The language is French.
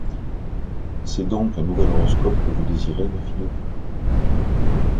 C’est donc un nouvel horoscope que vous désirez, ma fille ?